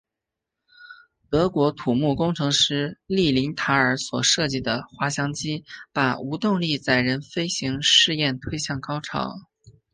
德国土木工程师利林塔尔所设计的滑翔机把无动力载人飞行试验推向高潮。